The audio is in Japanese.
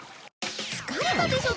疲れたでしょ？